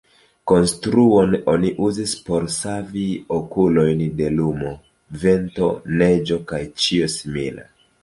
Konstruon oni uzis por savi okulojn de lumo, vento, neĝo kaj ĉio simila.